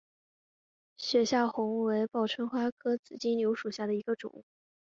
雪下红为报春花科紫金牛属下的一个种。